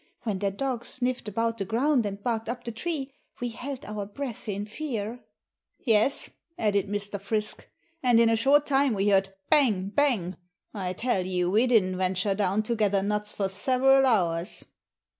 When their dogs sniffed about the ground and barked up the tree, we held our breath in fear." "Yes," added Mr. Frisk, "and in a short time we heard 'bang! bang!' I tell you we didn't venture down to gather nuts for several hours."